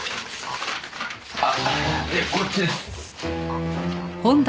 あっでこっちです。